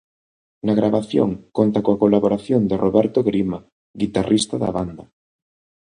Na gravación conta coa colaboración de Roberto Grima, guitarrista da banda.